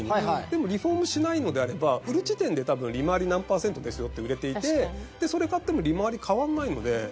でもリフォームしないのであれば売る時点で多分利回り何パーセントですよって売れていてそれ買っても利回り変わらないので。